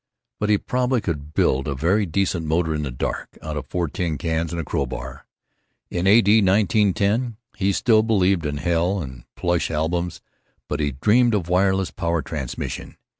But he probably could build a very decent motor in the dark, out of four tin cans and a crowbar. In A.D. 1910 he still believed in hell and plush albums. But he dreamed of wireless power transmission.